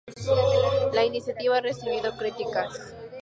La iniciativa ha recibido críticas.